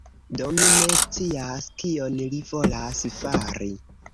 Do, mi ne scias kion li volas fari.